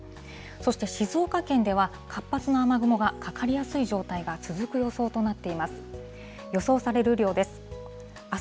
そして静岡県では、活発な雨雲がかかりやすい状態が続く予想となっています。